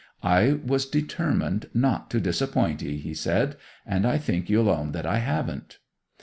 'I was determined not to disappoint 'ee,' he said; 'and I think you'll own that I haven't!